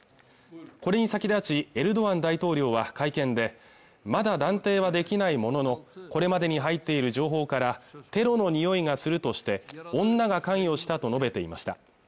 これに先立ちエルドアン大統領は会見でまだ断定はできないもののこれまでに入っている情報からテロのにおいがするとして女が関与したと述べていました